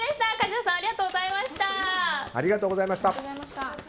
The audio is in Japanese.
梶田さんありがとうございました。